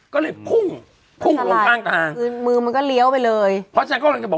ก็เลยพุ่งลงข้างมือมันก็เลี้ยวไปเลยเพราะจนเขาอยากจะบอก